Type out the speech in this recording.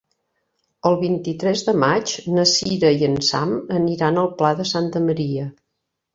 El vint-i-tres de maig na Cira i en Sam aniran al Pla de Santa Maria.